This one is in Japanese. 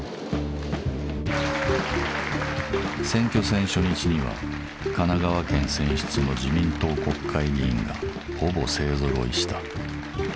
選挙戦初日には神奈川県選出の自民党国会議員がほぼ勢ぞろいした。